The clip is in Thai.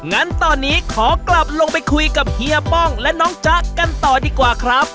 งั้นตอนนี้ขอกลับลงไปคุยกับเฮียป้องและน้องจ๊ะกันต่อดีกว่าครับ